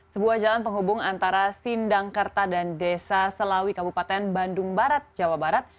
sebuah jalan penghubung antara sindangkerta dan desa selawi kabupaten bandung barat jawa barat